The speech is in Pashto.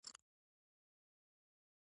کله چې سید وغوښتل د بخارا له لارې ووځي.